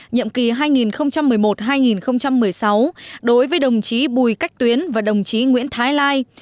nhiệm kỳ hai nghìn một mươi một hai nghìn một mươi sáu đối với đồng chí bùi cách tuyến và đồng chí nguyễn thái lai